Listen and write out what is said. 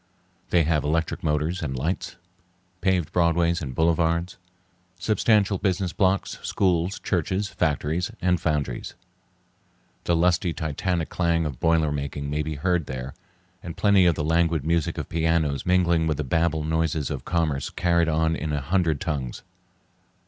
They have electric motors and lights, paved broadways and boulevards, substantial business blocks, schools, churches, factories, and foundries. The lusty, titanic clang of boiler making may be heard there, and plenty of the languid music of pianos mingling with the babel noises of commerce carried on in a hundred tongues.